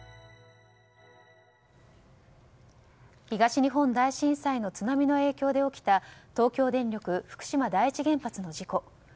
東日本大震災の津波の影響で起きた東京電力福島第一原発の事故。